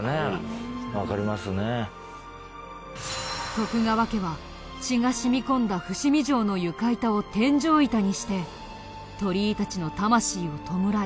徳川家は血が染み込んだ伏見城の床板を天井板にして鳥居たちの魂を弔い